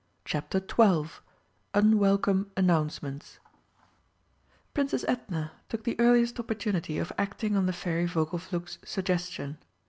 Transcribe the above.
CHAPTER XII UNWELCOME ANNOUNCEMENTS Princess Edna took the earliest opportunity of acting on the Fairy Vogelflug's suggestion.